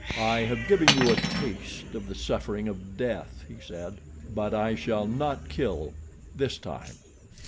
"I have given you a taste of the suffering of death," he said. "But I shall not kill—this time.